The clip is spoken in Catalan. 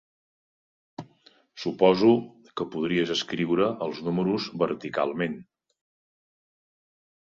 Suposo que podries escriure els números verticalment.